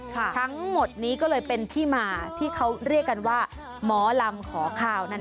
ทั้งหมดนี้ก็เลยเป็นที่มาที่เขาเรียกกันว่าหมอลำขอข้าวนั่นเอง